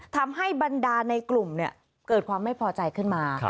ทำให้บรรดาในกลุ่มเกิดความไม่พอใจขึ้นมา